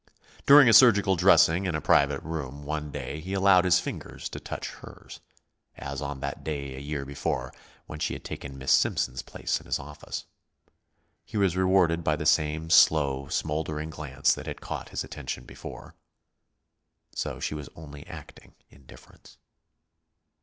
During a surgical dressing in a private room, one day, he allowed his fingers to touch hers, as on that day a year before when she had taken Miss Simpson's place in his office. He was rewarded by the same slow, smouldering glance that had caught his attention before. So she was only acting indifference!